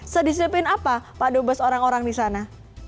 sedisiplin apa pak dubes orang orang di sana